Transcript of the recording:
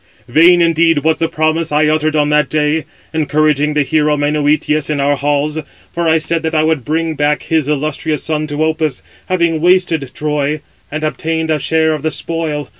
vain indeed was the promise I uttered on that day, encouraging the hero Menœtius in our halls; for I said that I would bring back his illustrious son to Opus, having wasted Troy, and obtained a share of the spoil.